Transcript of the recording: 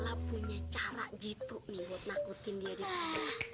ella punya cara gitu nih buat nakutin dia di sana